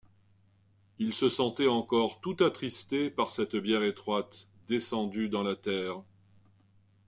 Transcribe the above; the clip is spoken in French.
Il se sentait encore tout attristé par cette bière étroite, descendue dans la terre.